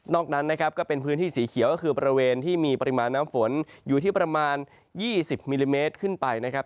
นั้นนะครับก็เป็นพื้นที่สีเขียวก็คือบริเวณที่มีปริมาณน้ำฝนอยู่ที่ประมาณ๒๐มิลลิเมตรขึ้นไปนะครับ